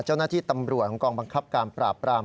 เจ้าหน้าที่ตำรวจของกองบังคับการปราบปราม